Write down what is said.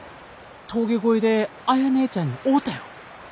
峠越えで綾ねえちゃんに会うたよ。